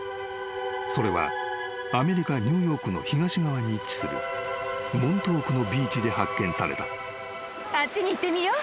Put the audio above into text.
それはアメリカニューヨークの東側に位置するモントークのビーチで発見された］